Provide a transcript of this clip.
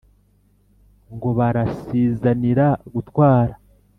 Ngo barasizanira gutwara